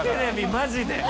マジで。